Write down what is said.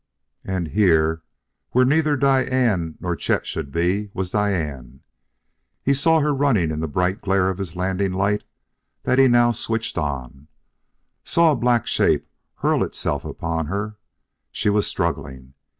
And here, where neither Diane nor Chet should be, was Diane. He saw her running in the bright glare of his landing light that he now switched on; saw a black shape hurl itself upon her; she was struggling.